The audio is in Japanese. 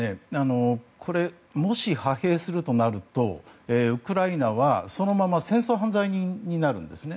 もし、派兵するとなるとウクライナはそのまま戦争犯罪人になるんですね。